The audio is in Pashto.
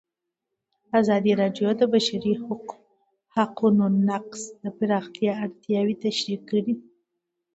ازادي راډیو د د بشري حقونو نقض د پراختیا اړتیاوې تشریح کړي.